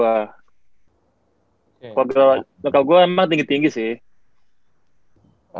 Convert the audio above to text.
keluarga dari nyokap gue emang tinggi tinggi sih